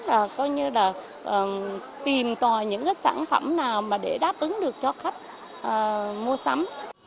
và coi như là tìm tòi những cái sản phẩm nào mà để đáp ứng được cho khách mua sắm